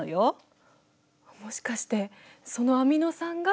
もしかしてそのアミノ酸が。